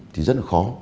thì rất là khó